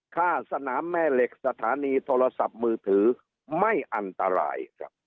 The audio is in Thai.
ค่าสนามแม่เหล็กสถานีโทรศัพท์มือถือไม่อันตรายครับ